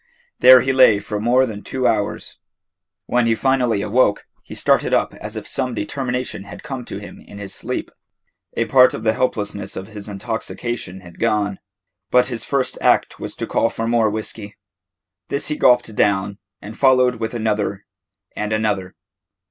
There he lay for more than two hours. When he finally awoke, he started up as if some determination had come to him in his sleep. A part of the helplessness of his intoxication had gone, but his first act was to call for more whiskey. This he gulped down, and followed with another and another.